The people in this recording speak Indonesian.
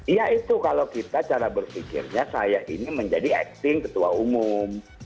iya itu kalau kita cara berpikirnya saya ini menjadi acting ketua umum